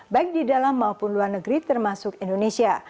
baik di dalam maupun luar negeri termasuk indonesia